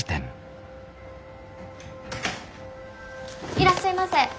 いらっしゃいませ。